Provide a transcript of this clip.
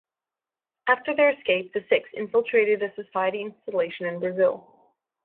After their escape the Six infiltrated a Society installation in Brazil.